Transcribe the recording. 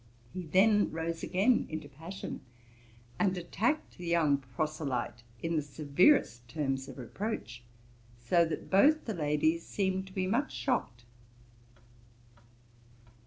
He then rose again into passion, and attacked the young proselyte in the severest terms of reproach, so that both the ladies seemed to be much shocked.